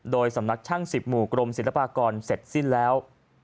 โดยสำนักช่าง๑๐หมู่กรมศิลปากรเสร็จสิ้นแล้ว